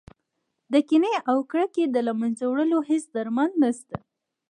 د کینې او کرکې له منځه وړلو هېڅ درمل نه شته.